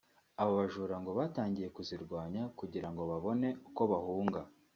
abo bajura ngo batangiye kuzirwanya kugira ngo babone uko bahunga